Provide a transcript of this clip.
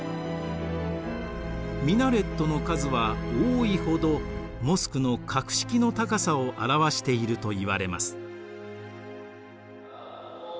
ミナレットの数は多いほどモスクの格式の高さを表しているといわれます。